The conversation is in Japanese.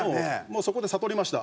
もうそこで悟りました。